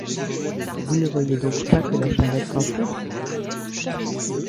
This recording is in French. Vous ne voyez donc pas que la charrette s’enfonce ?